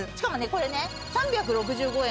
これね３６５円だよ。